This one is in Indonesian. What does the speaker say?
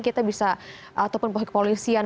kita bisa ataupun polisian